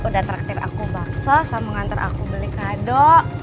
udah traktir aku bakso sama ngantar aku beli kado